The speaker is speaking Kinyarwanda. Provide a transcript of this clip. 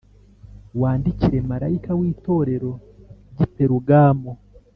Wandikire marayika w’Itorero ry’i Perugamo